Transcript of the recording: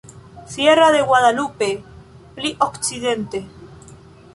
Sierra de Guadalupe: pli okcidente.